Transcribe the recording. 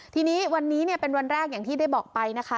ทีนี้วันนี้เป็นวันแรกอย่างที่ได้บอกไปนะคะ